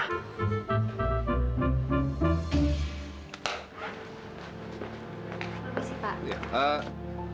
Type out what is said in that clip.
terima kasih pak